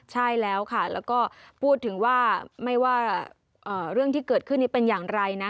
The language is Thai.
ใช่แล้วค่ะแล้วก็พูดถึงว่าไม่ว่าเรื่องที่เกิดขึ้นนี้เป็นอย่างไรนะ